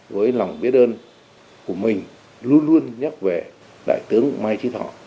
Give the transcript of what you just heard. với lòng biết ơn của mình luôn luôn nhắc về đại tướng mai trí thọ